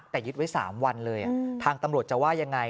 แต่ยึดไว้๓วันเลยทางตำรวจจะว่ายังไง